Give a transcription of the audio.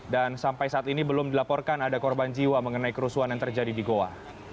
dan sampai saat ini belum dilaporkan ada korban jiwa mengenai kerusuhan yang terjadi di goa